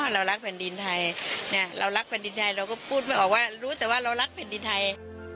เรารักแผ่นดินไทยเราก็พูดไม่ออกว่ารู้แต่ว่าเรารักแผ่นดินไทย